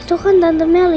itu kan tante meli